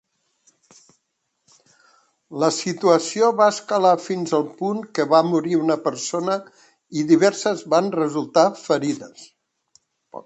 La situació va escalar fins al punt que va morir una persona i diverses van resultar ferides.